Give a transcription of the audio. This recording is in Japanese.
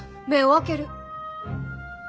目を開ける！